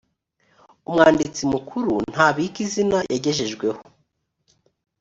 umwanditsi mukuru ntabika izina yagejejweho .